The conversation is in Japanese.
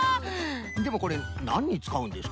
でもこれなんにつかうんですか？